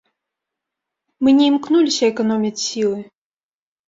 Мы не імкнуліся эканоміць сілы.